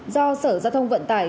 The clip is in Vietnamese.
do sở giao thông vận tải